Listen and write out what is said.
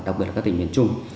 đặc biệt là các tỉnh miền trung